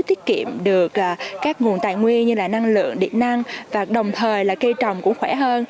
tiết kiệm được các nguồn tài nguyên như là năng lượng điện năng và đồng thời là cây trồng cũng khỏe hơn